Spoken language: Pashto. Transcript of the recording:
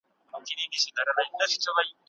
د حقوق العباد په اړه محتاط اوسئ.